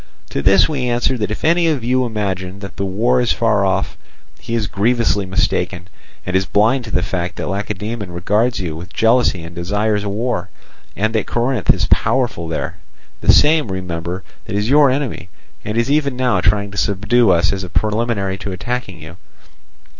To this we answer that if any of you imagine that that war is far off, he is grievously mistaken, and is blind to the fact that Lacedaemon regards you with jealousy and desires war, and that Corinth is powerful there—the same, remember, that is your enemy, and is even now trying to subdue us as a preliminary to attacking you.